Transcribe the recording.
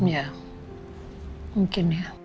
ya mungkin ya